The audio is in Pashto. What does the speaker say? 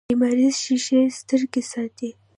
لمریزې شیشې سترګې ساتي